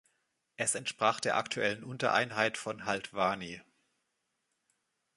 Es entsprach der aktuellen Untereinheit von Haldwani.